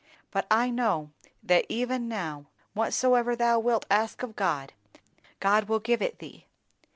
But I know, that even now, whatsoever thou wilt ask of God, God will give it thee.